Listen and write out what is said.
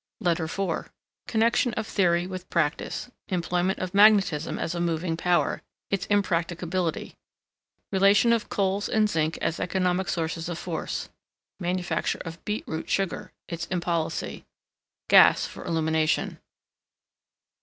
LETTER IV Connection of Theory with Practice. Employment of MAGNETISM as a moving power its impracticability. Relation of Coals and Zinc as economic sources of Force. Manufacture of Beet root Sugar its impolicy. Gas for illumination.